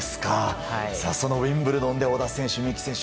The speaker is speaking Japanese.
そのウィンブルドンで小田選手、三木選手